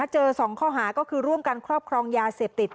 ๒ข้อหาก็คือร่วมกันครอบครองยาเสพติด